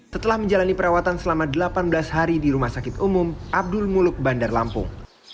setelah menjalani perawatan selama delapan belas hari di rumah sakit umum abdul muluk bandar lampung